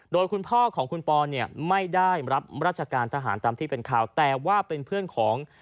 โดยคุณพ่อของคุณปอเนี่ยไม่ได้รับราชการทหารตามที่เป็นข่าวแต่ว่าเป็นเพื่อนของ